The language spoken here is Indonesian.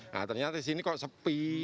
nah ternyata di sini kok sepi